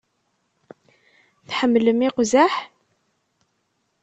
Tḥemmlem iqzaḥ?